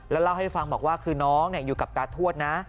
แล้วเล่าให้ฟังบอกว่าคือน้องอยู่กับตาทวดนะ